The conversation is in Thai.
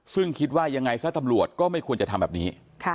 ซึ่งคิดว่ายังไงซะตำรวจก็ไม่ควรจะทำแบบนี้